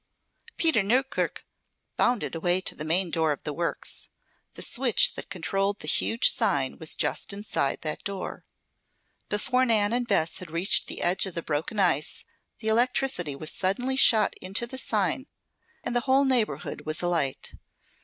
Peter Newkirk bounded away to the main door of the works. The switch that controlled the huge sign was just inside that door. Before Nan and Bess had reached the edge of the broken ice, the electricity was suddenly shot into the sign and the whole neighborhood was alight.